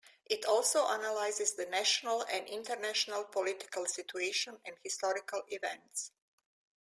It also analyzes the national and international political situation and historical events.